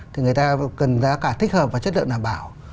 thì người ta cần giá cả thích hợp và chất lượng đảm bảo